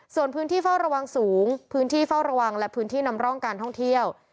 ส่วนพื้นที่เฝ้าระวังสูงพื้นที่เฝ้าระวังและพื้นที่นำร่องการท่องเที่ยว